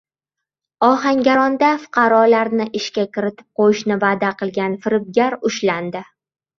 Ohangaronda fuqarolarni ishga kiritib qo‘yishni va’da qilgan firibgar ushlandi